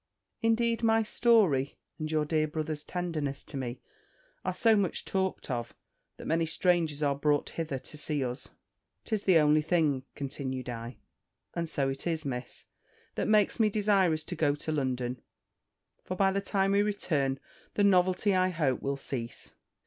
Indeed my story, and your dear brother's tenderness to me, are so much talked of, that many strangers are brought hither to see us: 'tis the only thing," continued I (and so it is, Miss), "that makes me desirous to go to London; for by the time we return, the novelty, I hope, will cease."